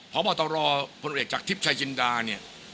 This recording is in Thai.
พบตรผู้นำเอกจากทริปชายจินดาเนี่ย